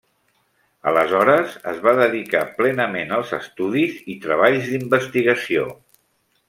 Aleshores es va dedicar plenament als estudis i treballs d'investigació.